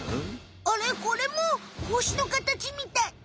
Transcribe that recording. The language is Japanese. あれこれもほしのかたちみたい。